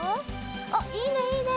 あっいいねいいね！